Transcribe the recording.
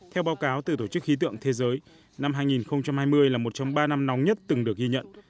theo báo cáo từ tổ chức khí tượng thế giới năm hai nghìn hai mươi là một trong ba năm nóng nhất từng được ghi nhận